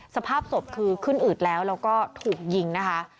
สภาพศพคือขึ้นอืดแล้วแล้วก็ถูกยิงนะคะ